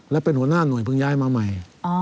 และเป็นหัวหน้าหน่วยเพิ่งย้ายมาใหม่